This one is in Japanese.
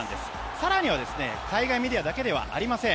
更には、海外メディアだけではありません。